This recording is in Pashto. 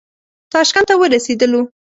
تاشکند ته ورسېدلو.